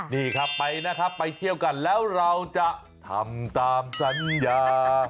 นี่ครับไปนะครับไปเที่ยวกันแล้วเราจะทำตามสัญญา